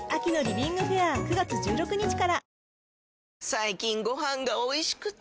最近ご飯がおいしくて！